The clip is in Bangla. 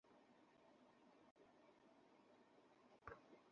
তোর যাওয়া উচিত, বাবা।